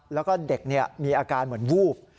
แล้วก็เด็กมีอาการเหมือนวูบ